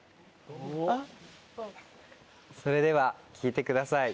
それでは聴いてください。